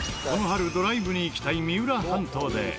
この春ドライブに行きたい三浦半島で。